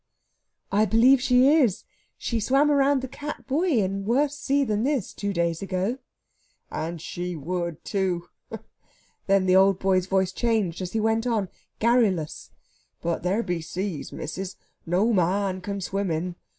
"I believe she is. She swam round the Cat Buoy in a worse sea than this two days ago." "And she would, too!" Then the old boy's voice changed as he went on, garrulous: "But there be seas, missis, no man can swim in.